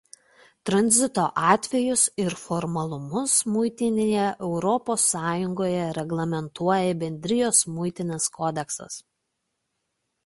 Tranzito atvejus ir formalumus muitinėje Europos Sąjungoje reglamentuoja Bendrijos muitinės kodeksas.